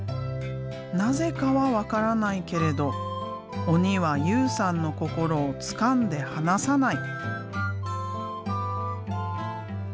なぜかは分からないけれど鬼は雄さんの心をつかんで離さない。